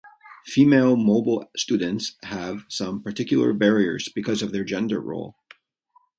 Female mobile students have some particular barriers because of their gender role.